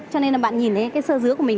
cho nên là bạn nhìn thấy cái sơ dứa của mình